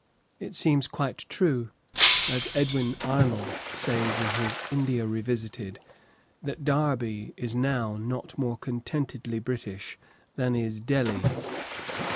It seems quite true, as Edwin Arnold says in his "India Revisited," that Derby is now not more contentedly British than is Delhi.